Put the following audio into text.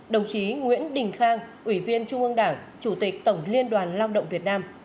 đồng chí nguyễn đình khang ủy viên trung ương đảng chủ tịch tổng liên đoàn lao động việt nam